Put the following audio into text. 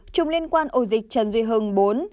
bảy chùm liên quan ổ dịch trần duy hưng bốn